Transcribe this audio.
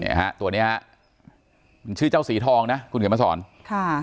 ฮะตัวเนี้ยฮะมันชื่อเจ้าสีทองนะคุณเขียนมาสอนค่ะ